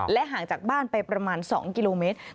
ห่างจากบ้านไปประมาณ๒กิโลเมตร